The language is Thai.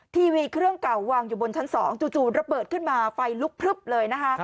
ทีวีเครื่องเก่าวางอยู่บนชั้น๒จู่ระเบิดขึ้นมาไฟลุกพลึบเลยนะคะ